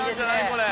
これ。